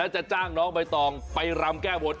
จะจ้างน้องใบตองไปรำแก้บน